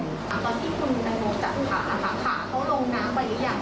ตอนที่คุณจับขาขาเขาลงน้ำไปหรือยังคะ